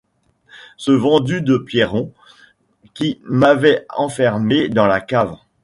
Ce vendu de Pierron qui m’avait enfermée dans la cave!